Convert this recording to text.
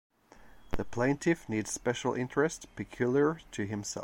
The plaintiff needs special interest peculiar to himself.